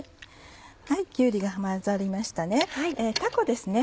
きゅうりが混ざりましたね。